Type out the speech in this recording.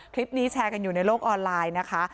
คลิปนี้แชร์กันอยู่ในโลกออนไลน์นะคะ